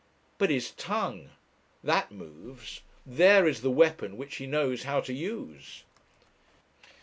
But his tongue! that moves; there is the weapon which he knows how to use!